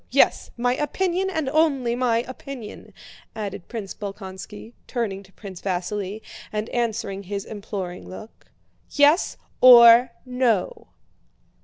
Yes, my opinion, and only my opinion," added Prince Bolkónski, turning to Prince Vasíli and answering his imploring look. "Yes, or no?"